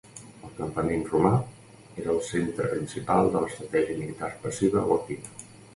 El campament romà era el centre principal de l'estratègia militar passiva o activa.